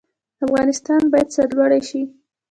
افغانستان باید سرلوړی شي